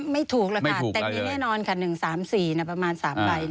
ไม่ถูกหรอกค่ะแต่มีแน่นอนค่ะ๑๓๔ประมาณ๓ใบ